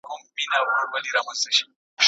چي په گوړه مري، په زهرو ئې مه وژنه.